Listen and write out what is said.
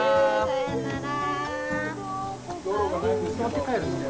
さようなら！